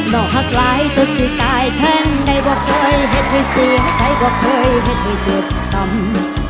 ดอกหักหลายเธอคือตายแทนใครบอกเธอให้เธอเสียให้ใครบอกเธอให้เธอเสียช่ำ